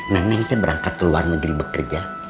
nenengnya berangkat keluar negeri bekerja